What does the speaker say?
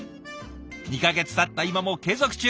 ２か月たった今も継続中。